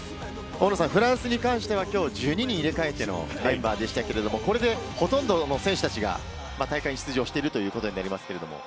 フランスに関してはきょう１２人入れ替えてのメンバーでしたけど、これでほとんどの選手たちが大会出場しているということになります。